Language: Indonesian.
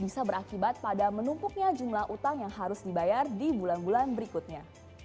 bisa berakibat pada menumpuknya jumlah utang yang harus dibayar di bulan bulan berikutnya